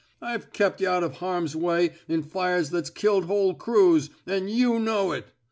IVe kep' y'out o' harm's way in fires that's killed whole crews — an' you know it.